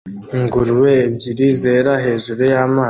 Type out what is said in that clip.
Ingurube ebyiri zera hejuru y'amazi